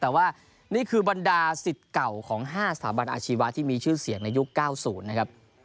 แต่ว่านี่คือบรรดาสิทธิ์เก่าของ๕สถาบันอาชีวะที่มีชื่อเสียงในยุค๙๐นะครับ